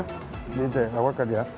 ini guacamole ya